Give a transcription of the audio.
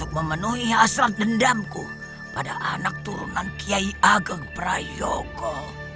dan memenuhi hasrat dendamku pada anak turunan kyai ageng prayogo